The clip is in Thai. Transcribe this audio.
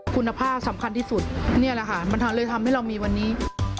คุณภาพสำคัญที่สุดนี่แหละค่ะมันเลยทำให้เรามีวันนี้